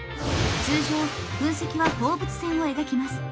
通常噴石は放物線を描きます。